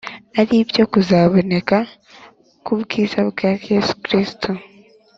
ari byo kuzaboneka k’ubwiza bwa Yesu Kristo